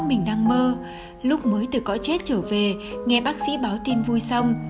mình đang mơ lúc mới từ cõi chết trở về nghe bác sĩ báo tin vui xong